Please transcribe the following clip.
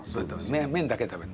麺だけ食べるの？